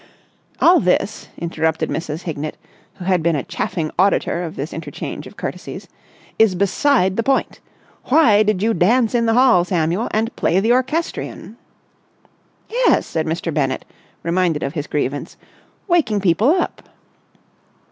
"All this," interrupted Mrs. Hignett, who had been a chaffing auditor of this interchange of courtesies, "is beside the point. Why did you dance in the hall, Samuel, and play the orchestrion?" "Yes," said Mr. Bennett, reminded of his grievance, "waking people up."